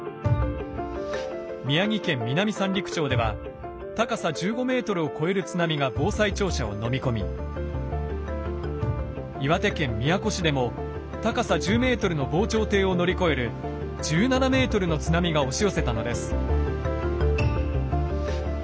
宮城県南三陸町では高さ１５ｍを超える津波が防災庁舎をのみ込み岩手県宮古市でも高さ１０ｍの防潮堤を乗り越える１７ｍの津波が押し寄せたのです。